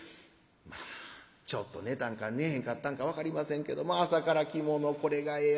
まあちょっと寝たんか寝ぇへんかったんか分かりませんけど朝から着物これがええ